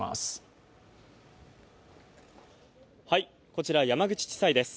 こちら、山口地裁です。